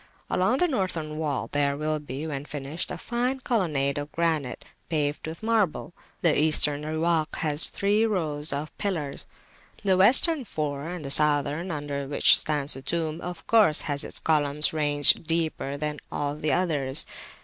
Along the Northern wall there will be, when finished, a fine colonnade of granite, paved with marble. The Eastern Riwak has three rows of pillars, the Western four, and the Southern, under which stands the tomb, of course has its columns ranged deeper than all the others.